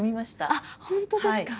あっ本当ですか。